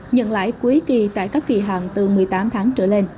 nhận lãi cuối kỳ tại các kỳ hạn từ một mươi năm tháng